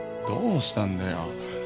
どうしたんだよ？